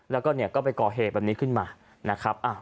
แล้วก็ไปก่อเหบแบบนี้ขึ้นมานะครับ